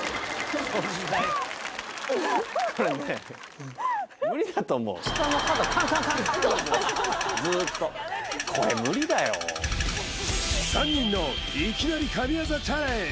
そうそうそうずっとこれ無理だよ３人のいきなり神業チャレンジ